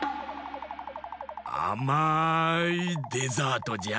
あまいデザートじゃ！